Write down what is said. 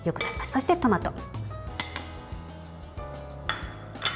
そしてトマト。